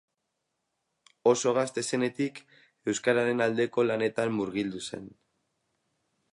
Oso gazte zenetik euskararen aldeko lanetan murgildu zen.